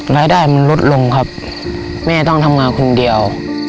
รายได้มันลดลงครับแม่ต้องทำงานคนเดียว